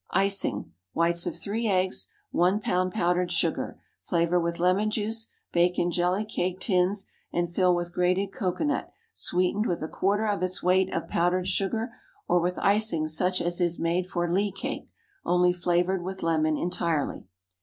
Icing, whites of three eggs, 1 lb. powdered sugar. Flavor with lemon juice. Bake in jelly cake tins, and fill with grated cocoanut, sweetened with a quarter of its weight of powdered sugar, or with icing such as is made for Lee cake, only flavored with lemon entirely.